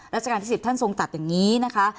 ราชการที่๑๐ท่านทรงตัดอย่างนี้นะคะ